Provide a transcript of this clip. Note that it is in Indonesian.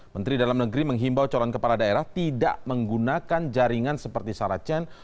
menteri dalam negeri menghimbau coran kepala daerah tidak menggunakan jaringan seperti saracen